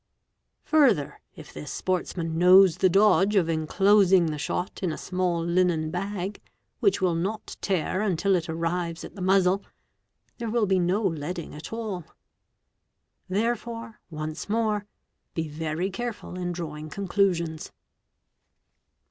Further, if this sportsman knows the dodge of enclosing the shot in a small linen bag, which will not tear until it arrives at the muzzle, there will be no " leading"' at all. 4 _ Therefore, once more, be very careful in drawing conclusions.